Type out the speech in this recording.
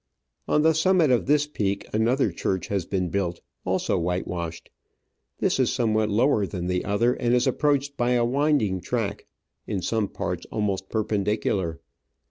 On the summit of this peak another church has been built, also whitewashed ; this is somewhat lower than the other, and is approached by a winding track, in some parts almost perpendicular.